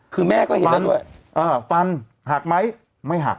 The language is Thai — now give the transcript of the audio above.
คือแม่ก็เห็นแล้วด้วยฟันหักไหมไม่หัก